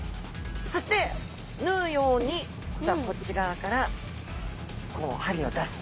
そして縫うようにこっち側からこう針を出す。